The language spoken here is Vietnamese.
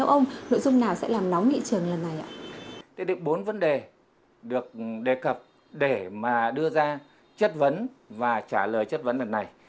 vấn đề được đề cập để mà đưa ra chất vấn và trả lời chất vấn lần này